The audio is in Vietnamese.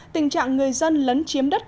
tình trạng người dân lấn chiếm đất